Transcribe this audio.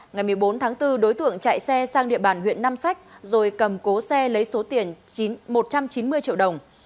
ngày một mươi bốn tháng bốn đối tượng chạy xe sang địa bàn huyện nam sách rồi cầm cố xe lấy số tiền một trăm chín mươi triệu đồng